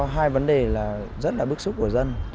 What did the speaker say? hai vấn đề rất là bức xúc của dân